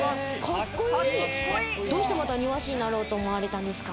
どうしてまた庭師になろうと思われたんですか？